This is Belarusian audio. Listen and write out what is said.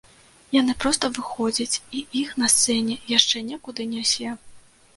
Яны проста выходзяць, і іх на сцэне яшчэ некуды нясе.